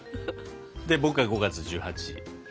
で僕が５月１８。